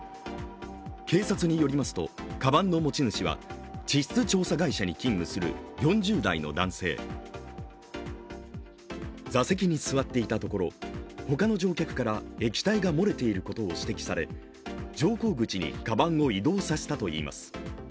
警察によりますとかばんの持ち主は地質調査に勤務する４０代の男性、座席に座っていたところ他の乗客から液体が漏れていることを指摘され乗降口にかばんを移動させたといいます。